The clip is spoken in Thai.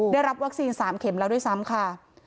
ได้รับวัคซีน๓เข็มแล้วด้วยซ้ำค่ะ